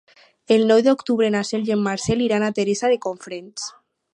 El nou d'octubre na Cel i en Marcel iran a Teresa de Cofrents.